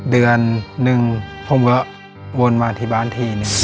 เดือนนึงผมก็วนมาอธิบายนึง